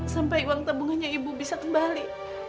sampai uang tabungannya ibu bisa kembali